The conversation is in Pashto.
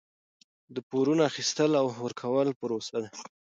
د پورونو اخیستل او ورکول پروسه ده.